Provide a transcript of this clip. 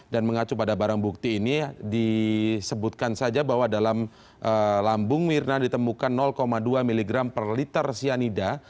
dan mengacu pada barang bukti ini disebutkan saja bahwa dalam lambung mirna ditemukan dua mg per liter cyanida